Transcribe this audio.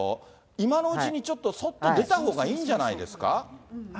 今のうちにちょっとそっと出たほうがいいんじゃないですか。